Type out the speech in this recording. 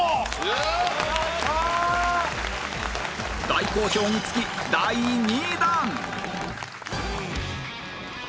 大好評につき第２弾！